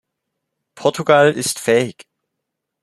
Portugal ist fähig.